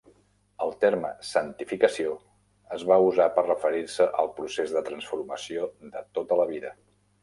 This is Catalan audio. El terme "santificació" es va usar per a referir-se al procés de transformació de tota la vida.